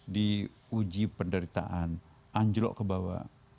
di uji penderitaan anjlok ke bawah